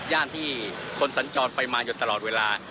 ย่านที่คนสัญจรไปมาอยู่ตลอดเวลา